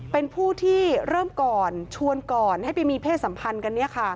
เป็นผู้ที่เริ่มก่อนชวนก่อนให้ไปมีเพศสัมพันธ์กัน